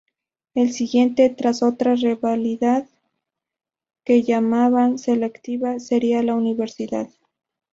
El siguiente, tras otra revalida que llamaban Selectividad, sería la Universidad.